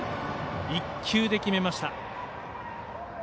１球で決めました。